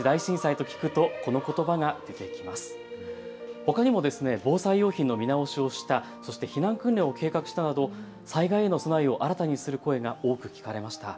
ほかにも防災用品の見直しをした、そして避難訓練を計画したなど災害への備えを新たにする声が多く聞かれました。